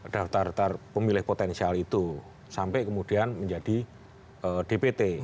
daftar daftar pemilih potensial itu sampai kemudian menjadi dpt